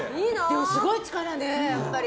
でもすごい力ね、やっぱり。